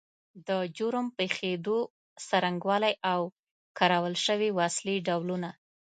د جرم پیښېدو څرنګوالی او کارول شوې وسلې ډولونه